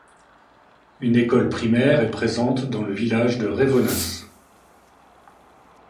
Une école primaire est présente dans le village de Revonnas.